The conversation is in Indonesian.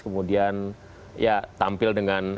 kemudian ya tampil dengan